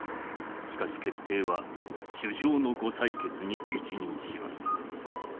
しかし決定は首相のご裁決に一任します。